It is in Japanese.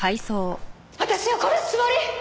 私を殺すつもり！？